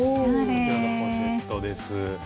こちらのポシェットです。